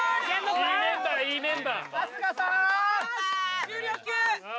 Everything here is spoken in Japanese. いいメンバーいいメンバー・重量級！